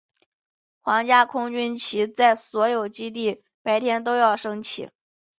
皇家空军旗在所有基地白天都要升起。